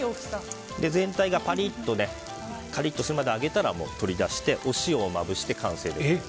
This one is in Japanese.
全体がパリッとカリッとするまで揚げたら取り出してお塩をまぶして完成です。